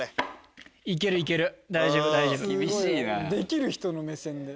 大丈夫大丈夫。